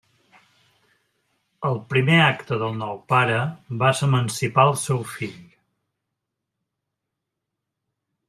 El primer acte del nou pare va ser emancipar al seu fill.